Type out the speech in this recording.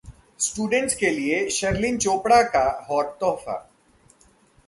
students के लिए शर्लिन चोपड़ा का हॉट तोहफा